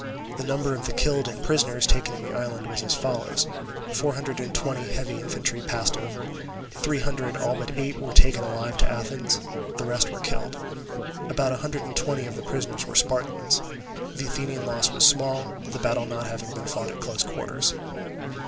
The number of the killed and prisoners taken in the island was as follows: four hundred and twenty heavy infantry had passed over; three hundred all but eight were taken alive to Athens; the rest were killed. About a hundred and twenty of the prisoners were Spartans. The Athenian loss was small, the battle not having been fought at close quarters.